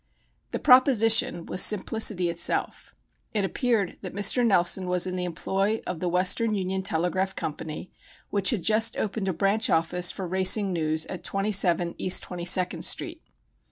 The "proposition" was simplicity itself. It appeared that Mr. Nelson was in the employ of the Western Union Telegraph Company, which had just opened a branch office for racing news at 27 East Twenty second Street.